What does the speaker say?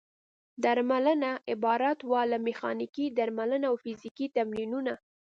درملنه عبارت وه له: میخانیکي درملنه او فزیکي تمرینونه.